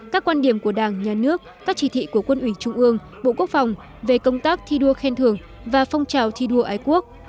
các quan điểm của đảng nhà nước các chỉ thị của quân ủy trung ương bộ quốc phòng về công tác thi đua khen thưởng và phong trào thi đua ái quốc